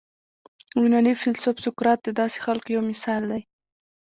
یوناني فیلسوف سقراط د داسې خلکو یو مثال دی.